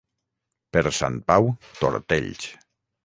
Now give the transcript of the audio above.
Per Sant Pau, tortells.